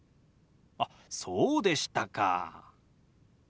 あっそうでしたか。